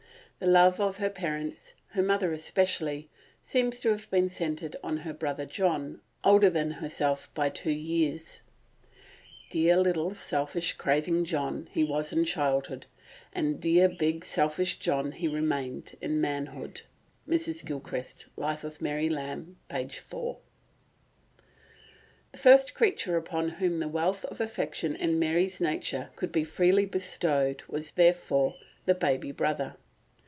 The love of her parents, her mother especially, seems to have been centred on her brother John, older than herself by two years. "'Dear little selfish, craving John,' he was in childhood, and dear big selfish John he remained in manhood" (Mrs. Gilchrist's Life of Mary Lamb, p. 4). The first creature upon whom the wealth of affection in Mary's nature could be freely bestowed was, therefore, the baby brother.